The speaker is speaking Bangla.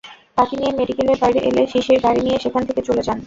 তাঁকে নিয়ে মেডিকেলের বাইরে এলে শিশির গাড়ি নিয়ে সেখান থেকে চলে যান।